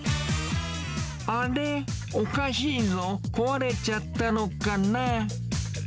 おかしいぞ、壊れちゃったのかな。